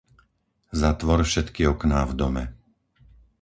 Zatvor všetky okná v dome.